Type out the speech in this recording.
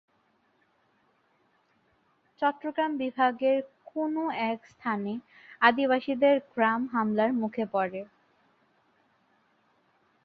চট্টগ্রাম বিভাগের কোন এক স্থানে আদিবাসীদের গ্রাম হামলার মুখে পরে।